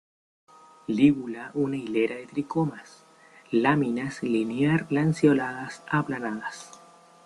Lígula una hilera de tricomas; láminas linear-lanceoladas, aplanadas.